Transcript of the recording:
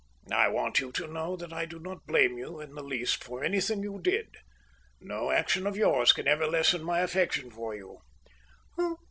"I want you to know that I do not blame you in the least for anything you did. No action of yours can ever lessen my affection for you."